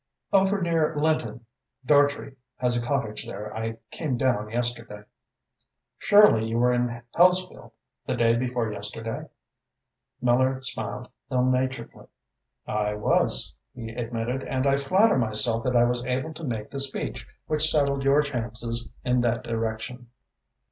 "Over near Lynton. Dartrey has a cottage there. I came down yesterday." "Surely you were in Hellesfield the day before yesterday?" Miller smiled ill naturedly. "I was," he admitted, "and I flatter myself that I was able to make the speech which settled your chances in that direction."